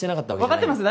わかってます